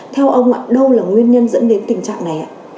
theo ông ạ đâu là nguyên nhân dẫn đến tình trạng này ạ